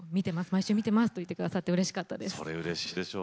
毎週見ていますと言ってくださってうれしかったです。